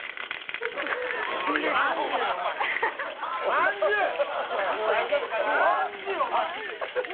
まんじゅう、お前！